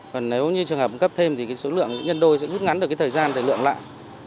còn nếu như trường hợp cấp thêm thì số lượng nhân đôi sẽ rút ngắn được cái thời gian thời lượng lại